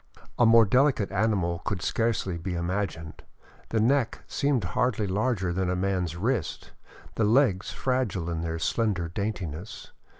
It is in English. A more deli cate animal could scarcely be imagined ; the neck seemed hardly larger than a man's wrist, the legs fragile in their slender daintiness.